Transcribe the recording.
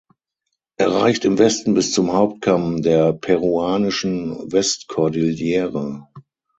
Er reicht im Westen bis zum Hauptkamm der peruanischen Westkordillere.